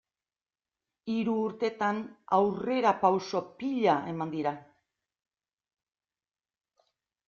Hiru urtetan aurrerapauso pila eman dira.